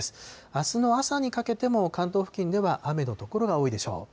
あすの朝にかけては関東付近では雨の所が多いでしょう。